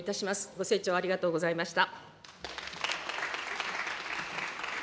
ご清聴ありがとうございました。